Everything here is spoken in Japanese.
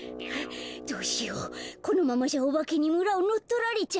どうしようこのままじゃおばけにむらをのっとられちゃうよ。